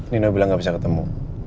nino bilang gak bisa ketemu